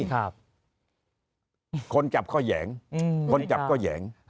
คนจับก็แหยงคนจับก็แหยง